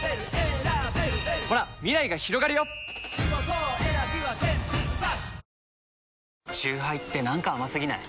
おおーーッチューハイって何か甘すぎない？